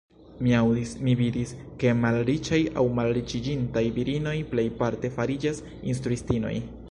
Mi aŭdis, mi vidis, ke malriĉaj aŭ malriĉiĝintaj virinoj plejparte fariĝas instruistinoj.